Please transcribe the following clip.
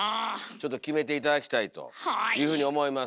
ちょっと決めて頂きたいというふうに思います。